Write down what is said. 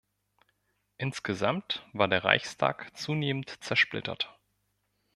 Insgesamt war der Reichstag zunehmend zersplittert.